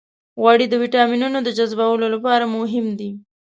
غوړې د ویټامینونو د جذبولو لپاره مهمې دي.